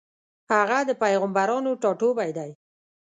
هغه د پېغمبرانو ټاټوبی دی.